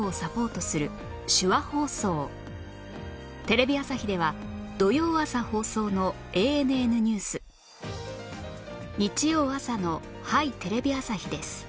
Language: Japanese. テレビ朝日では土曜朝放送の『ＡＮＮ ニュース』日曜朝の『はい！テレビ朝日です』